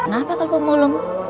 gak apa kalau pemulung